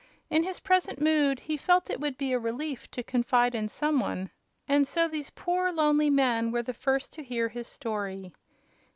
In his present mood he felt it would be a relief to confide in some one, and so these poor, lonely men were the first to hear his story.